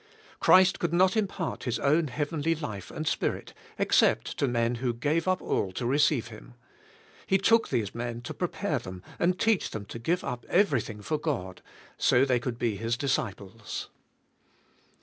Christ could not impart His own heavenly life and Spirit except to men who g ave up all to receive Him. He took these men to prepare them and teach them to give up everything for God; so they could be His dis ciples.